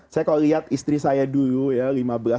saya kalau lihat istri saya dulu ya